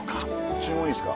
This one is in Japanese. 注文いいっすか？